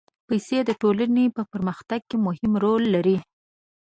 پېسې د ټولنې په پرمختګ کې مهم رول لري.